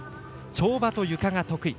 跳馬とゆかが得意。